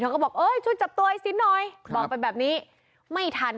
เขาบอกเอ้ยช่วยจับตัวไอ้สินหน่อยบอกไปแบบนี้ไม่ทัน